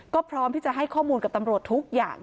ก็พร้อมที่จะให้ข้อมูลกับตำรวจทุกอย่าง